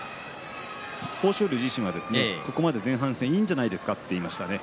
豊昇龍自身はここまで前半戦いいんじゃないですかと言いましたね。